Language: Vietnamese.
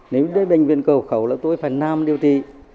nếu đến bệnh viện cầu khẩu là tôi phải nam điều trị